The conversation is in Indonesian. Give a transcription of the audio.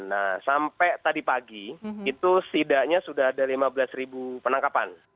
nah sampai tadi pagi itu setidaknya sudah ada lima belas ribu penangkapan